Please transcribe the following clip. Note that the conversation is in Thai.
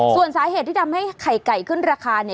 ส่วนสาเหตุที่ทำให้ไข่ไก่ขึ้นราคาเนี่ย